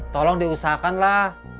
tolong diusahakan lah